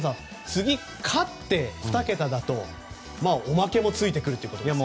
次、勝って、２桁だとおまけもついてくるということですね。